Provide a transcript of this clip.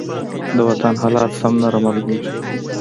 د وطن حالات سم نه رامالومېږي.